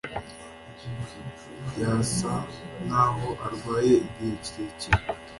Yasa nkaho arwaye igihe kirekire.